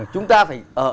chúng ta phải